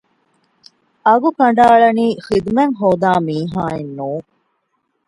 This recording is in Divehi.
އަގު ކަނޑައަޅަނީ ޚިދުމަތް ހޯދާ މީހާއެއް ނޫން